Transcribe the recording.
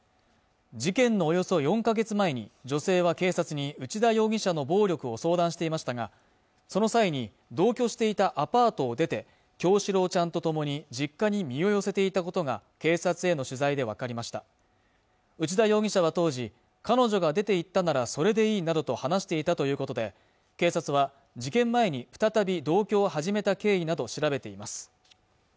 事件のおよそ４か月前に女性は警察に内田容疑者の暴力を相談していましたがその際に同居していたアパートを出て叶志郎ちゃんと共に実家に身を寄せていたことが警察への取材で分かりました内田容疑者は当時彼女が出て行ったならそれでいいなどと話していたということで警察は事件前に再び同居を始めた経緯などを調べています